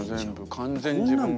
完全に自分が。